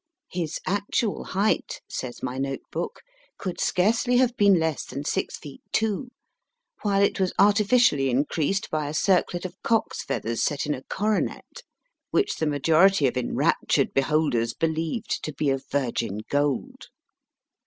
His N. actual height/ says my notebook, could scarcely have been less than six feet two, while it was artificially increased by a circlet of cock s feathers set in a coronet, which the majority of enrap tured beholders believed to be of virgin gold.